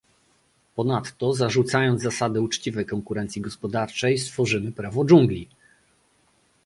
Ponadto zarzucając zasady uczciwej konkurencji gospodarczej stworzymy prawo dżungli